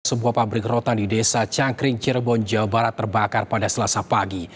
sebuah pabrik rotan di desa cangkring cirebon jawa barat terbakar pada selasa pagi